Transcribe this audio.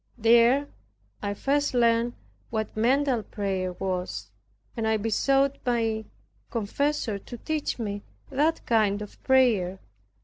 There I first learned what mental prayer was, and I besought my confessor to teach me that kind of prayer.